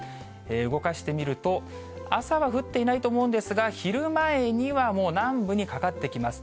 動かしてみると、朝は降っていないと思うんですが、昼前にはもう南部にかかってきます。